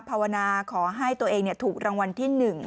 ภาวนาขอให้ตัวเองถูกรางวัลที่๑